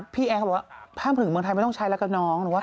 แอร์เขาบอกว่าถ้ามาถึงเมืองไทยไม่ต้องใช้แล้วกับน้อง